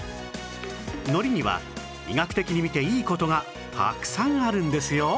海苔には医学的に見ていい事がたくさんあるんですよ